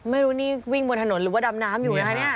ไม่รู้นี่วิ่งบนถนนหรือว่าดำน้ำอยู่นะคะเนี่ย